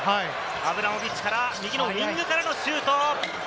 アブラモビッチから右のウイングからのシュート。